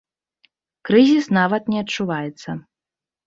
Крызіс нават не адчуваецца.